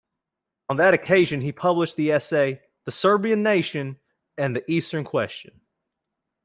On that occasion he published an essay "The Serbian Nation and the Eastern Question".